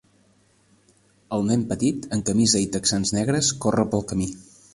El nen petit amb camisa i texans negres corre pel camí.